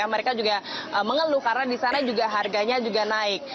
mereka juga mengeluh karena di sana juga harganya juga naik